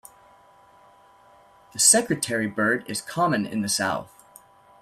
The secretary-bird is common in the south.